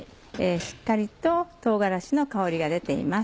しっかりと唐辛子の香りが出ています。